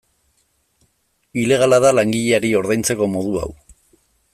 Ilegala da langileari ordaintzeko modu hau.